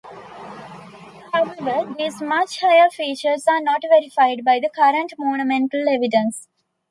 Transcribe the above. However, these much higher figures are not verified by the current monumental evidence.